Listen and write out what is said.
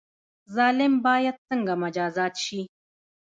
ظالم باید څنګه مجازات شي؟